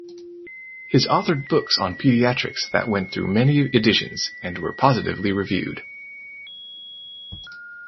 His authored books on paediatrics that went through many editions and were positively reviewed.